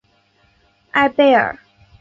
艾贝尔。